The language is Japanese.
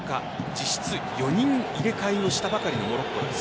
実質４人入れ替えをしたばかりのモロッコです。